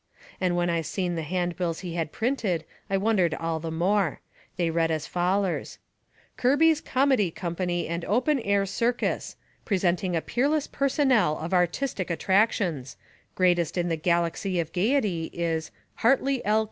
And when I seen the handbills he had had printed I wondered all the more. They read as follers: Kirby's Komedy Kompany and Open Air Circus Presenting a Peerless Personnel of Artistic Attractions Greatest in the Galaxy of Gaiety, is Hartley L.